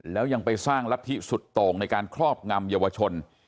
แล้วยังไปสร้างลัทธิสุดโต่งในการครอบงำเยาวชน